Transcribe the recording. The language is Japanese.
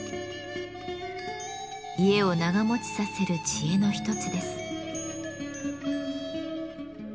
家を長もちさせる知恵の一つです。